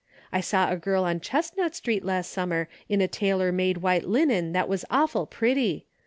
I saw a girl on Chestnut street last summer in a tailor made white linen that was awful pretty.